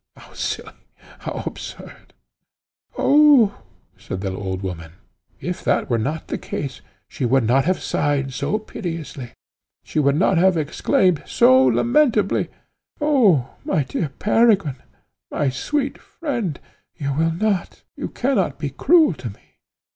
How silly! how absurd!" "Umph!" said the old woman; "if that were not the case she would not have sighed so piteously, she would not have exclaimed so lamentably, 'no, my dear Peregrine, my sweet friend, you will not, you cannot be cruel to me.